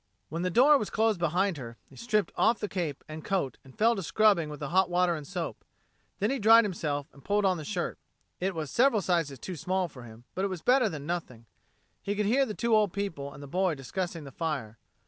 "When the door was closed behind her, he stripped off the cape and coat, and fell to scrubbing with the hot water and soap. Then he dried himself and pulled on the shirt. It was several sizes too small for him, but it was better than nothing at all. He could hear the two old people and the boy discussing the fire.